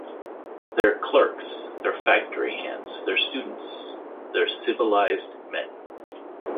They're clerks, they're factory hands, they're students, they're civilised men.